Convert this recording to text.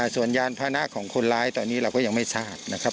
ส่วนยานพานะของคนร้ายตอนนี้เราก็ยังไม่ทราบนะครับ